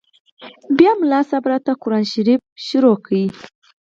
بيا ملا صاحب راته قران شريف شروع کړ.